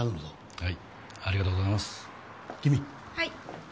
はい。